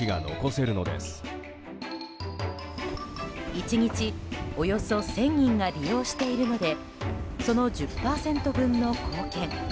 １日およそ１０００人が利用しているのでその１０％分の貢献。